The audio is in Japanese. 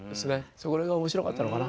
そこら辺が面白かったのかな。